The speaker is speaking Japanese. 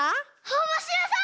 おもしろそう！